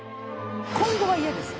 今後はイヤです。